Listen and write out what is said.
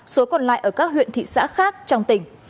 số còn lại ở các huyện thị xã khác trong tỉnh